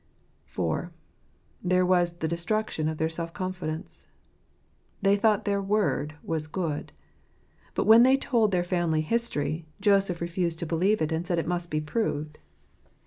IV. There was the Destruction of their Self confidence. They thought their word was good; but when they told their family history, Joseph refused to believe it, and said it must be proved.